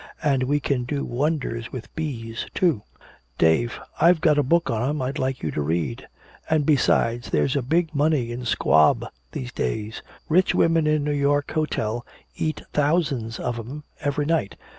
And we can do wonders with bees, too, Dave I've got a book on 'em I'd like you to read. And besides, there's big money in squab these days. Rich women in New York hotels eat thousands of 'em every night.